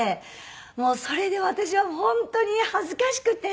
もうそれで私は本当に恥ずかしくて。